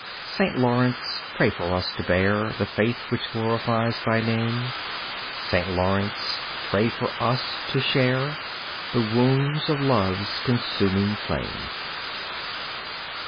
St. Laurence, pray for us to bear The faith which glorifies thy name. St. Laurence, pray for us to share The wounds of Love's consuming flame.